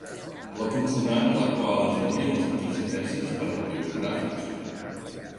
La consonant a la qual es devien els antics efesis per motius geogràfics.